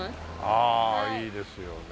ああいいですよねえ。